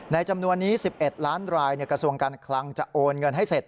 ในจำนวนนี้๑๑๐๐๐๐๐๐ดรกระทรวงกันคลังจะโอนเงินให้เสร็จ